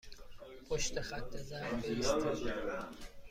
پشت خط زرد بایستید.